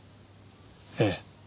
ええ。